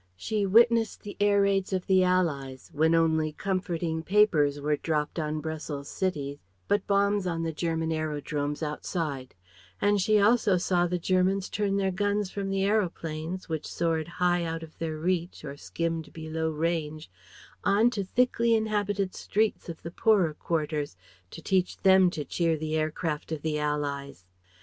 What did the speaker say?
She witnessed the air raids of the Allies, when only comforting papers were dropped on Brussels city, but bombs on the German aerodromes outside; and she also saw the Germans turn their guns from the aeroplanes which soared high out of their reach or skimmed below range on to thickly inhabited streets of the poorer quarters, to teach them to cheer the air craft of the Allies!